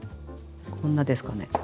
こんなですかね。